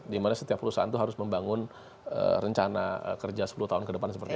dimana setiap perusahaan itu harus membangun rencana kerja sepuluh tahun ke depan seperti itu